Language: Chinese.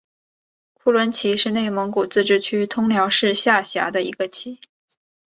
库伦旗是内蒙古自治区通辽市下辖的一个旗。